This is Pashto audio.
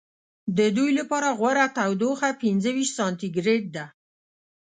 د دوی لپاره غوره تودوخه پنځه ویشت سانتي ګرېد ده.